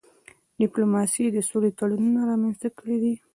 ډيپلوماسي د سولې تړونونه رامنځته کړي دي.